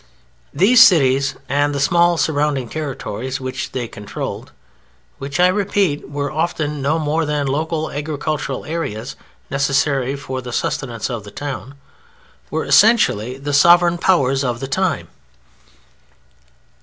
These cities and the small surrounding territories which they controlled (which, I repeat, were often no more than local agricultural areas necessary for the sustenance of the town) were essentially the sovereign Powers of the time.